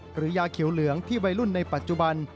หรือยาเขียวเหลืองที่วัยรุ่นในปัจจุบัน